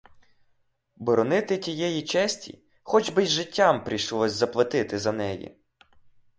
Боронити тієї честі, хоч би й життям прийшлося заплатити за неї!